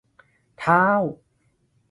เท้า !